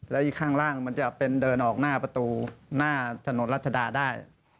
แล้วอีกข้างล่างมันจะเป็นเดินออกหน้าประตูหน้าถนนรัชดาได้